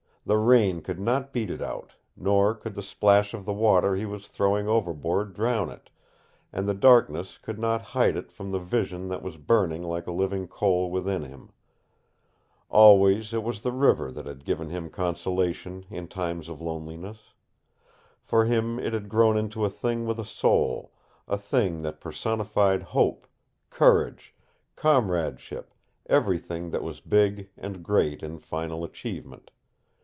The rain could not beat it out, nor could the splash of the water he was throwing overboard drown it, and the darkness could not hide it from the vision that was burning like a living coal within him. Always it was the river that had given him consolation in times of loneliness. For him it had grown into a thing with a soul, a thing that personified hope, courage, comradeship, everything that was big and great in final achievement.